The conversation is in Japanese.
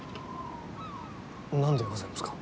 何でございますか。